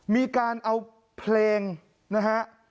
มีการเอาเพลงนะฮะ